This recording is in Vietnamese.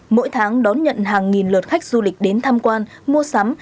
mỗi tháng đón nhận hàng nghìn lượt khách du lịch đến tham quan mua sắm